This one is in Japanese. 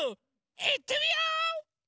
いってみよう！